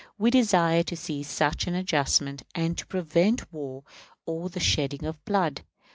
We desire to see such an adjustment, and to prevent war or the shedding of blood.